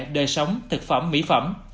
đời sống thực phẩm mỹ phẩm